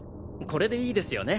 これでいいですよね？